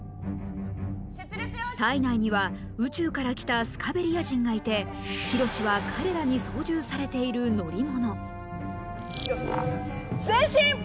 体内には宇宙から来たスカベリア人がいてヒロシは彼らに操縦されている乗り物緋炉詩前進！